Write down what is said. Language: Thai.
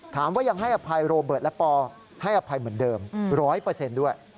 ยังให้อภัยโรเบิร์ตและปอให้อภัยเหมือนเดิม๑๐๐ด้วย